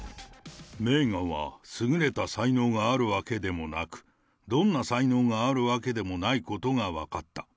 メーガンは優れた才能があるわけでもなく、どんな才能があるわけでもないことが分かった。